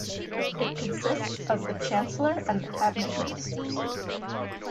It consists of the Chancellor and the cabinet ministers.